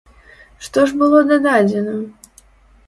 Што ж было дададзена?